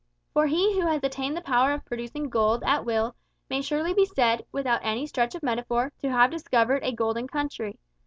For he who has attained the power of producing gold at will may surely be said, without any stretch of metaphor, to have discovered a golden country.